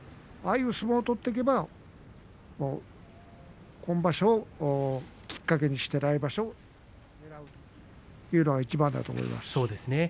ああいう相撲を取っていけば今場所をきっかけにして来場所というのがいちばんだと思います。